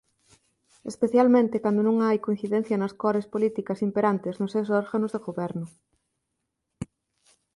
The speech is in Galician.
Especialmente cando non hai coincidencia nas cores políticas imperantes nos seus órganos de Goberno.